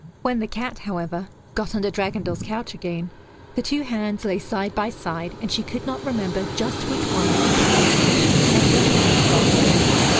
When the cat, however, got under Dragondel's couch again, the two hands lay side by side and she could not remember just which one was the talisman and which one the false hand.